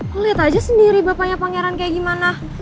lo liat aja sendiri bapaknya pangeran kayak gimana